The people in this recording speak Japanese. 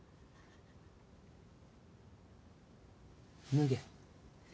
脱げ。